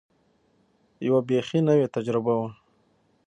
یوه بېخي نوې تجربه وه.